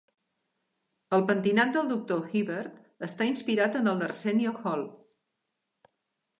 El pentinat del Doctor Hibbert està inspirat en el d'Arsenio Hall.